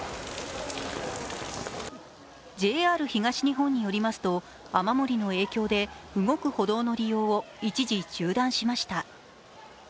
ＪＲ東日本によりますと、雨漏りの影響で動く歩道の利用を一時中断しました。